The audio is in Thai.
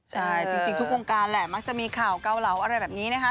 ใช่จริงทุกวงการแหละมักจะมีข่าวเกาเหลาอะไรแบบนี้นะคะ